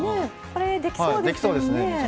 これ、できそうですよね。